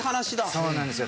そうなんですよ。